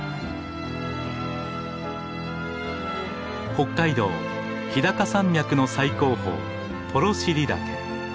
北海道日高山脈の最高峰幌尻岳。